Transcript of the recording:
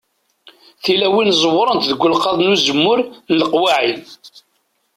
Tilawin ẓewwrent deg ulqaḍ n uzemmur n leqwaɛi.